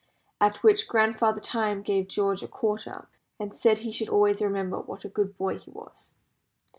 At which Grandfather Time gave George a quarter, and said he should always remember what a good boy he was.